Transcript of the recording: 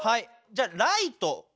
じゃ「ライト」。